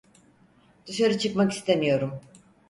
Dışarı çıkmak istemiyorum.